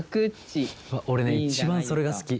俺ね一番それが好き。